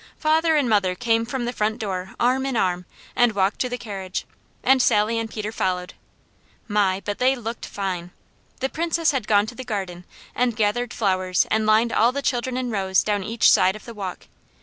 Father and mother came from the front door arm in arm and walked to the carriage, and Sally and Peter followed. My, but they looked fine! The Princess had gone to the garden and gathered flowers and lined all the children in rows down each side of the walk.